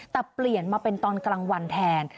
แต่เปลี่ยนมาเป็นตอนกลางวันแทน